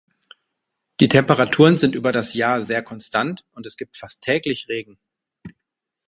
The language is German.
Die Temperaturen sind über das Jahr sehr konstant und es gibt fast täglich Regen.